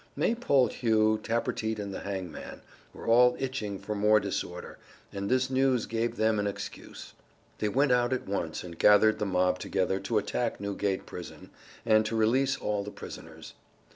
Maypole Hugh, Tappertit and the hangman were all itching for more disorder, and this news gave them an excuse. They went out at once and gathered the mob together to attack Newgate Prison and to release all the prisoners.